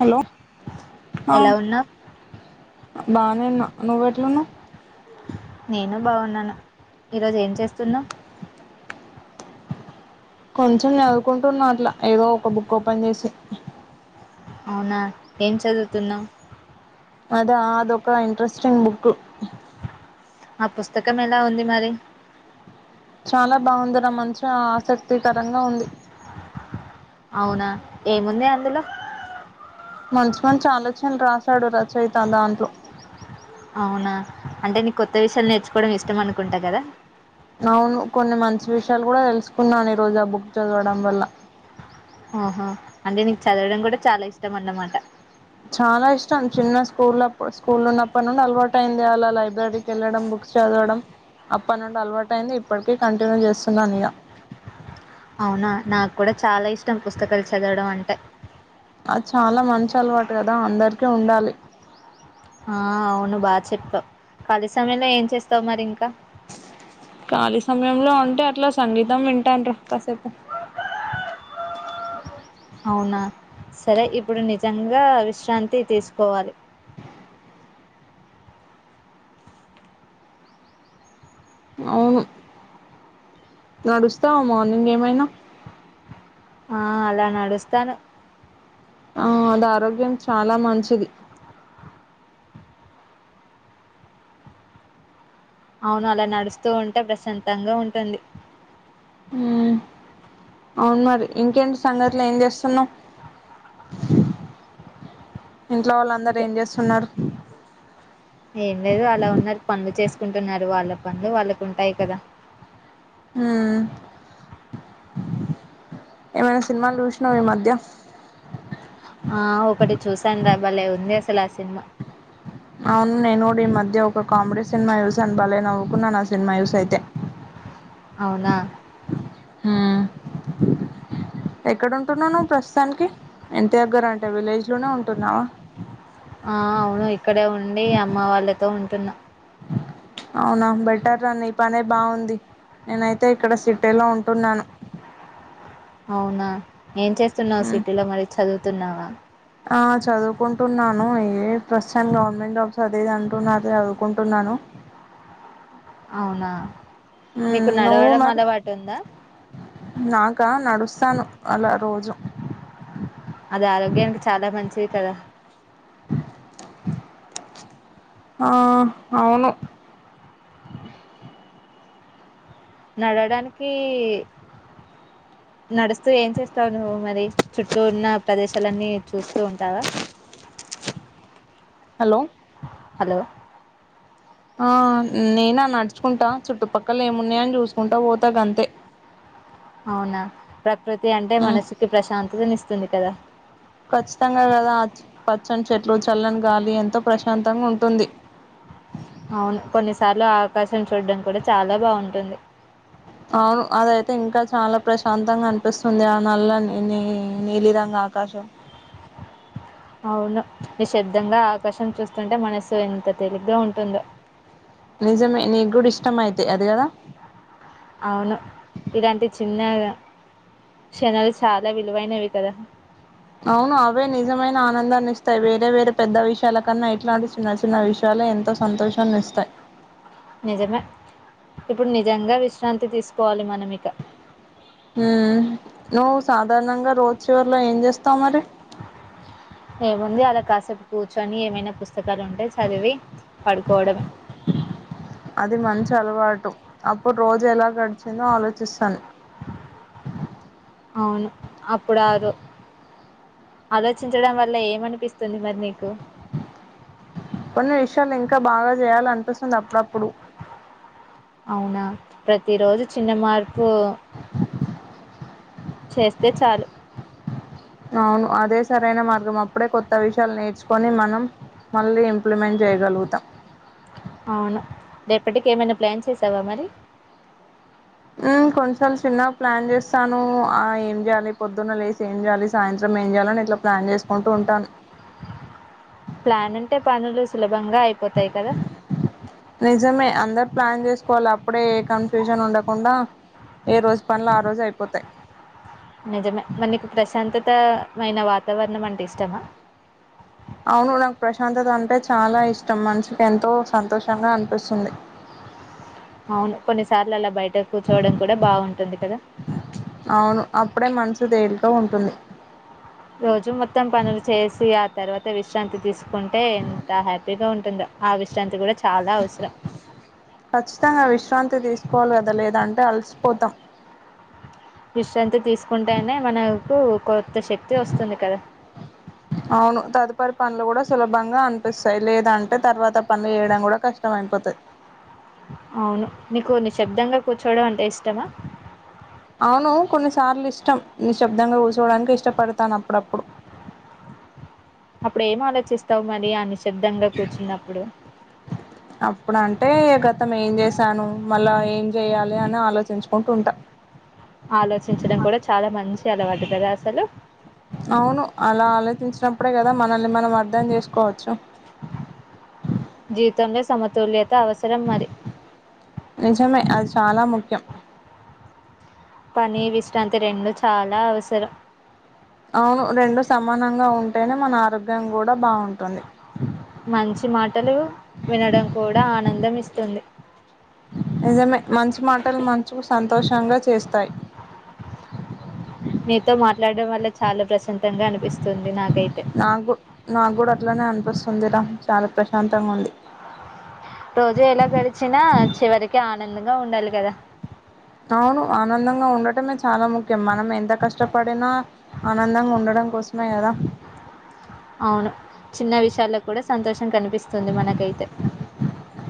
Hello ఆ ఎలా ఉన్నావ్ బానే ఉన్నా నువ్వెటున్నావ్ నేను బాగున్నాను ఈరోజు ఏం చేస్తున్నావ్ కొంచెం చదువుకుంటున్నా అట్లా ఏదో ఒక బుక్ ఓపెన్ చేసి అవునా ఏం చదువుతున్నావ్ అదా అదొక ఇంట్రెస్టింగ్ బుక్కు ఆ పుస్తకం ఎలా ఉంది మరి చాలా బాగుంది ఆ మంచి ఆసక్తికరంగా ఉంది అవునా ఏముంది అందులో మంచి మంచి ఆలోచనలు రాశాడు రచయిత దాంట్లో అవునా అంటే నీ కొత్త విషయాలు నేర్చుకోవడం ఇష్టం అనుకుంటా కదా అవును కొన్ని మంచి విషయాలు కూడా తెలుసుకున్నాను ఈ రోజు ఆ బుక్ చదవడం వల్ల ఆహా అంటే నీకు చదవడం కూడా చాలా ఇష్ కష్టమంనమాట చాలా ఇష్టం చిన్న స్కూల్ప్పు స్కూల్ ఉన్నప్పటి నుండి అలవాటు అయింది అలా లైబ్రరీకి వెళ్ళడం బుక్స్ చదవడం అప్పటి నుండి అలవాటు అయింది ఇప్పటికీ కంటిన్యూ చేస్తున్నాను ఇగ అవునా నాకు కూడా చాలా ఇష్టం పుస్తకాలు చదవడం అంటే అది చాలా మంచి అలవాటు కదా అందరికి ఉండాలి ఆ అవును బా చెప్పావు ఖాళీ సమయంలో ఏం చేస్తావు మరి ఇంకా ఖాళీ సమయంలో ఉంటే అట్లా సంగీతం వింటాండు కాసేపు అవునా సరే ఇప్పుడు నిజంగా విశ్రాంతి తీసుకోవాలి అవును నడుస్తావ్ మార్నింగ్ ఏమైనా ఆ అలా నడుస్తాను ఆ అది ఆరోగ్యం చాలా మంచిది అవును అలా నడుస్తూ ఉంటే ప్రశాంతంగా ఉంటుంది మ్మ్ అవును మరి ఇంకేంటి సంగతులు ఏం చేస్తున్నాం ఇంట్లో వాళ్ళందరు ఇంకా ఏం చేస్తున్నారు కుంటున్నారు వాళ్ళ పనులు వాళ్ళకు ఉంటాయి కదా మ్మ్ ఏమైనా సినిమాలు చూసినావ ఈ మధ్య ఆ ఒకటి చూసాను రా బాలే ఉంది అసలు ఆ సినిమా అవును నేను కూడా ఈ మధ్య ఒక కామెడీ సినిమా చూశాను బాలే నవ్వుకున్నాను ఆ సినిమా చూసి అయితే అవునా హామ్ ఎక్కడంటున్నావు నువ్వు ప్రస్తుతానికి ఇంటి దగ్గర అంటే విలేజ్ లోనే ఉంటున్నావా ఆ అవును ఇక్కడే ఉండి అమ్మ వాళ్ళతో ఉంటున్నా అవునా బెటర్ రా నీ పనే బాగుంది నేనైతే ఇక్కడ సిటీలో ఉంటున్నాను అవునా ఏం చేస్తున్నావు ఉమ్, సిటీలో మరి చదు తున్నావా ఆ చదువుకుంటున్నాను ఏ ప్రస్తుతాం గవర్నమెంట్ జాబ్స్ అది ఇది అంటున్న చదువుకుంటున్నాను అవునా మీకు ఉమ్, నువ్వు నడవడం మరి అలవాటు ఉందా కా నడుస్తాను అలా రోజూ అది ఆరోగ్యానికి చాలా మంచిది కదా ఆ అవును నడవడానికీ నడుస్తూ ఏం చేస్తావు నువ్వు మరి చుట్టూ ఉన్న ప్రదేశాలన్నీ చూస్తూ ఉంటావా హలో హలో ఆ నేన్నా నడ్చుకుంటా చుట్టుపక్కల ఏమున్నాయని చూసుకుంటా పోతా గంతే అవునా ప్రక్ ప్రతి అంటే ఉమ్, మనసుకి ప్రశాంతనిస్త్ స్తుంది కదా ఖచ్చితంగా గదా అచ్ పచ్చని చెట్లు చల్లని గాలి ఎంతో ప్రశాంతంగా ఉంటుంది. అవును కొన్నిసార్లు ఆకాశం చూడడం కూడా చాలా బాగుంటుంది. అవును అదైతే ఇంకా చాలా ప్రశాంతంగా అనిపిస్తుంది. ఆ నల్ల నీ నీలి రంగు ఆకాశం అవును నిశ్శబ్దంగా ఆకాశం చూస్తుంటే మనసు ఎంత తేలిగ్గా ఉంటుందో, నిజమే నీకు కూడా ఇష్టమైతే అది కదా అవును ఇలాంటి చిన్న క్షణాలు చాలా విలువైనవి కదా, అవును అవే నిజమైన ఆనందాన్నిస్తాయి. వేరే వేరే పెద్ద విషయాల కన్నా ఇట్లాంటి చిన్న చిన్న విషయాలే ఎంతో సంతోషాన్నిస్తాయి. నిజమే ఇప్పుడు నిజంగా విశ్రాంతి తీసుకోవాలి మనం ఇక హ్మ్ నువ్వు సాధారణంగా రోజ్ చివరిలో ఏం చేస్తావ్ మరి ఏముంది అలా కాసేపు కూర్చొని ఏమైనా పుస్త్ పుస్తకాలు ఉంటే చదివి పడుకోవడమే అది మంచి అలవాటు అప్పుడు రోజు ఎలా గడ్ చెలో ఆలోచిస్తాన్. అవును అప్పుడు ఆరూ ఆలోచించడం వల్ల ఏమనిపిస్తుంది మరి నీకు కొన్ని విషయాలు ఇంకా బాగా చేయాలని వస్తుంది అప్పుడపుడు అవునా ప్రతిరోజు చిన్న మార్పు చేస్తే చాలు అవును అదే సరైన మార్గం అప్పుడే కొత్త విషయాలు నేర్చుకొని మనం మళ్ళీ ఇంప్లిమెంట్ చేయగలుగుతాం. అవును రేపటికి ఎమైన ప్లాన్ చేసావా మరి హ్మ్ కొంన్ సార్లు చిన్నగా ప్లాన్ చేస్తాను. ఆ ఏం చేయాలి, పొద్దున్న లేసి ఏం చేయాలి, సాయంత్రం ఏం చేయాలి, ని ఇట్లా ప్లాన్ చేసుకుంటూ ఉంటాను. ప్లాన్ ఉంటే పనులు సులబ్ నిజమే అందరు ప్లాన్ చేసుకోవాలి అప్పుడే ఏ కన్ఫ్యూజన్ ఉండకుండా, ఏ రోజు పనల్ ఆ రోజు అయిపోతాయి నిజమే మనకి ప్రశాంతత్ [unintelligible] వాతావరణం అంటే ఇష్టమా అవును నాకు ప్రశాంతత అంటే చాలా ఇష్టం. మనిషికి ఎంతో సంతోషంగా అనిపిస్తుంది. అవును కొన్నిసార్లు అలా బయట కూర్చోడం కూడ బాగుంటుంది కదా అవును అప్పుడే మనసు తేలిక ఉంటుంది రోజు మొత్తం పనులు చేసి ఆ తర్వాత విశ్రాంతి తీసు కంటే ఎంత హ్యాపీగ ఉ ధో ఆ విశ్రాంతి కూడ చాలా అవసరం ఖచ్చితంగా విశ్రాంతి తీసుకోవాలి కదా లేదంటే అలసిపోతాం విశ్రాంతి తీసుకుంటేనే మనకు కొత్త శక్తి వస్తుంది కదా అవును తదుపరి పనులు కూడా సులభంగా అనిపిస్తాయి లేదంటే తర్వాత పనులు వేయడం కూడా కష్టం అయిపోతాయి అవును నీకు నిశ్శబ్దంగ కూర్చోవడం అంటే ఇష్టమ అవును కొన్నిసార్లు ఇష్టం నిశబ్దంగా కూ డానికి ఇష్టపడతాను అప్పుడప్పుడు చిస్తావు మరి అని అప్పుడు అంటే గతం ఏం చేసి శాను మళ్ళా ఏం చెయ్యాలి అని ఆలోచించుకుంటూ ఉంటా ఆలోచించడం కూడా చాలా మంచి అలవాటు కదా అసలు అవును అర్ధం చేసుకోవచ్చు జీతంనే సమతుల్య నిజమే అది చాలా ముఖ్యం పని విశ్రాంతి రెండు చాలా అవసరం అవును రెండు సమానంగా ఉంటేనే మన ఆరోగ్యం కూడా బాగుంటుంది మంచి మాటలు వినడం కూడ ఆనందం ఇస్తుంది నిజమే మంచి మాటలు మనసుకు సంతోషంగా చేస్తాయి నీతో మాట్లాడడం వల్ల చాలా ప్రశాంతంగా అనిపిస్తుంది నాకు నాకు నాకు కూడా అట్లానే అనిపిస్తుంది రా చాలా ప్రశాంతంగా ఉంది ఆనందం గా ఉండాలి కదా అవును ఆనందంగా ఉండటమే చాలా ముఖ్యం మనం ఎంత కష్టపడినా ఆనందంగా ఉండడం కోసమే కదా అవును చిన్న విషయాల్లో కూడా సంతోష కనిపిస్తుంది మనకైతే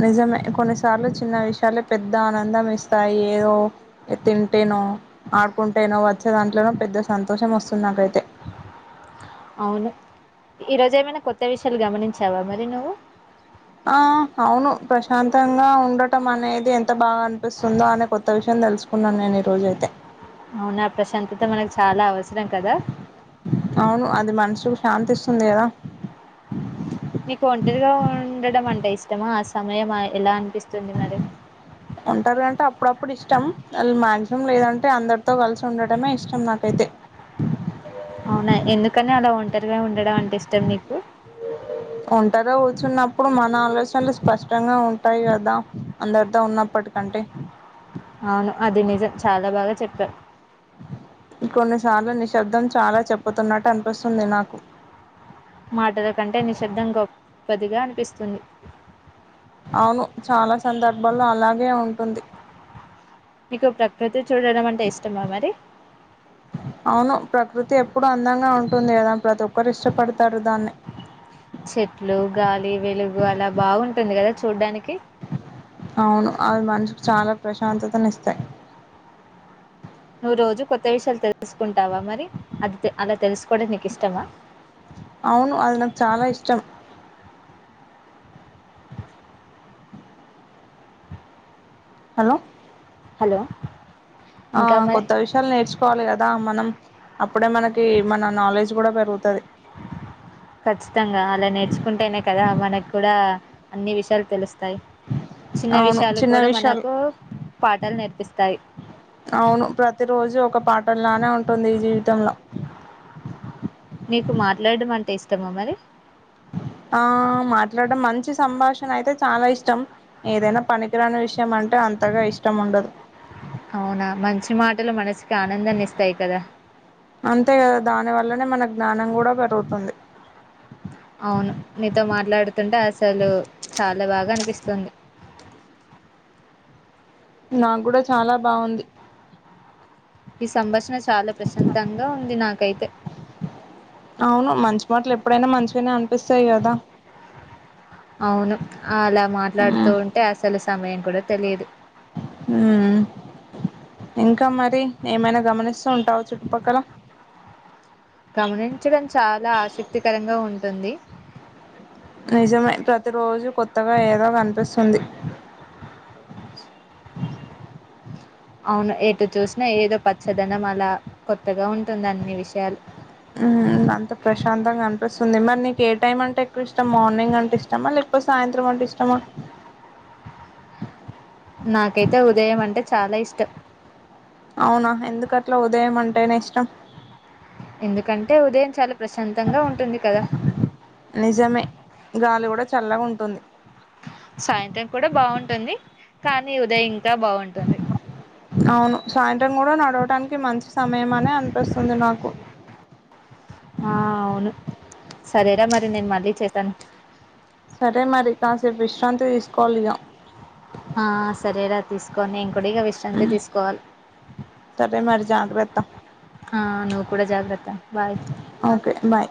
నిజమే కొన్నిసార్లు చిన్న విషయాాల పెద్ద ఆనందం ఇస్తాయి ఏదో తింటేనో ఆడుకుంటేనో వచ్చే దాంట్లోన పెద్ద సంతోషం వస్తుంది నాకైతే అవును ఈరోజు ఏమైనా కొత్త విషయాలు గమనించావా మరి నువ్వు ఆ అవును ప్రశాంతంగా ఉండటం అనేది ఎంత బాగా అనిపిస్తుందో అనే కొత్త విషయం తెలుసుకున్నాను నేను రోజయితే అవునా ప్రశాంతత మనకి చాలా అవసరం కదా అవును అది మనసుకు శాంతిస్తుంది కదా నీకు ఒంటరిగా ఉండడం అంటే ఇష్టమా ఆ సమయం ఎలా అనిపిస్తుంది మరి ఉంటాదంటే అప్పుడప్పుడు ఇష్టం వాు మాక్సిమం లేదంటే అందరితో కలిసి ఉండటమే ఇష్టం నాకైతే అవునా ఎందుకు కానీ అలా ఒంటరిగా ఉండడం అంటే ఇష్టం నీకు ఒంటరిగా కూచున్నప్పుడు మన ఆలోచనలు స్పష్టంగా ఉంటాయి కదా అందరితో ఉన్నప్పటికంటే అవును అది నిజం చాలా బాగా చెప్పారు కొన్నిసార్లు నిశ్శబ్దం చాలా చెప్పుతున్నట్టు అనిపిస్తుంది నాకు మాటల కంటే నిశ్శబ్దం గొప్పదిగా అనిపిస్తుంది అవును చాలా సందర్భాల్లో అలాగ నీకు ప్రకృతి చూడడం అంటే ఇష్టమా మరి ఇప్పుడు అందంగా ఉంటుంది కదా ప్రతి ఒక్కరు ఇష్టపడ్ చెట్లు గాలి వెలుగు అలా బావుంటుంది కదా చూడ్డానికి అవును అవి మనసుుకు చాలా ప్రశాంతతని ఇస్తాయి నువ్వు రోజు కొత్త విషయాలు తెలుసుకుంటావా మరి అది అలా తెలుసుకోవడం నీకు ఇష్టమా అవును అది నాకు చాలా ఇష్టం హలో హలో ఆ ఇంకా మరి కొత్త విషయాలు నేర్చుకోవాలి కదా మనం అప్పుడే మనకి మన నాలెడ్జ్ కూడా పెరుగుతది ఖచ్చితంగా అలా నేర్చుకుంటేనే కదా మనకు కూడా అన్ని విషయాలు తెలుస్తుా చిన్న అవును విషయాలు చిన్న కూడా విషయాలు మనకు పాటలు నేర్పిస్తాయి అవును ప్రతి రోజు ఒక పాఠంలానే ఉంటుంది ఈ జీవితంలో నీకు మాట్లాడడం అంటే ఇష్టమా మరి ఆ మాట్లాడడం మంచి సంభాషణ అయితే చాలా ఇష్టం ఏదైనా పనికిరాని విషయం అంటే అంతగా ఇష్టం ఉండదు అవునా మంచి మాటలు మనసు అంతే కదా దాని వల్లనే మనకు జ్ఞానం కూడా పెరుగుతుంది అవును మీీతో మాట్లాడుతుంటే అసలు చాలా బాగా అనిపిస్తుంది నాకు కూడా చాలా బావుంది ఈ సంభాషణ చాలా ప్రశాంతంగా ఉంది నాకైతే అవును మంచి మాటలు ఎప్పుడైనా మంచిగానే అనిపిస్తాయి కదా అవును అలా మాట్లాడుతూ మ్మ్ ఉంటే అసలు సమయం కూడా తెలియదు హ్మ్మ్ ఇంకా మరి ఏమైనా గమనిస్తూ ఉంటావ చుట్టుపక్కల కమని డం చాలా ఆసక్తికరంగా ఉ ఉంటుంది నిజమే ప్రతిరోజు కొత్తగా ఏదో వన్ వస్తుంది అవును ఎటు చూసినా ఏదో పచ్చదనం అలా కొత్తగా ఉంటుంది అన్ని విషయాలు హ్మ్మ్ అంత ప్రశాంతంగా అనిపిస్తుంది మరి నీకు ఏ టైమ్ అంటే ఎక్కువ ఇష్టం మార్నింగ్ అంటే ఇష్టమా లేకపోతే సాయం త్రమంటే ఇష్టమా నాకైతే ఉదయం అంటే చాలా ఇష్టం అవునా ఎందుకట్లా ఉదయం అంటేనే ఇష్టం ఎందుకంటే ఇదేం చాల [inaudible] నిజమే గాలి కూడా చల్లగా ఉంటు తొన్ని సాయంత్రం కూడా బాగుంటుంది కానీ ఉదయం ఇంకా బాగుంటుంది అవును సాయంత్రం కూడా నడవటానికి మంచి సమయం అని అనిపిస్తుంది నాకు ఆ అవును సరేరా మరి నేను మళ్ళీ చేశాను సరే మరి కాసేపు విశ్రాంతి తీసుకోవాలి ఇక ఆ సరేరా తీసుకొని ఒకడగా విశ్రాంతి తీసుకోవాలి సరే మరి జాగ్రత్త [inaudible] ఆ నువ్వు కూడా జాగ్రత్త బాయ్ ఓకే బాయ్